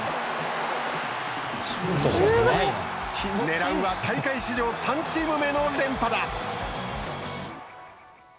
狙うは大会史上３チーム目の連覇だ。